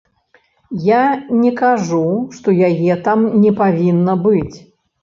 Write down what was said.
Я не кажу, што яе там не павінна быць.